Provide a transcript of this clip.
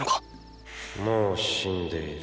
もう死んでいる。